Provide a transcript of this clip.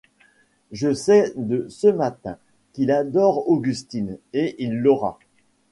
Je sais de ce matin qu’il adore Augustine, et il l’aura.